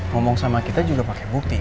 ngomong sama kita juga pakai bukti